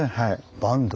バンドゥ。